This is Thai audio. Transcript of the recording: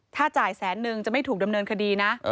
ถ้าจ่ายแสนนึงจะไม่ถูกดำเนินคดีนะ